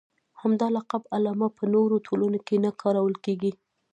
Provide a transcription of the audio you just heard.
همدا لقب علامه په نورو ټولنو کې نه کارول کېږي.